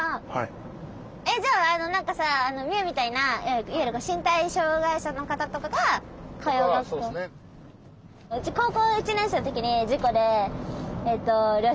えっじゃああの何かさ海みたいないわゆる身体障害者の方とかが通う学校。